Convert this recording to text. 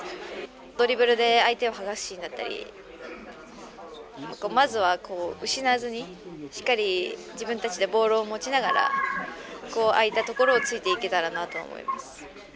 ドリブルで相手を剥がすシーンだったりまずは失わずに、しっかり自分たちでボールを持ちながら空いたところを突いていけたらなと思います。